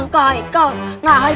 gak gak gak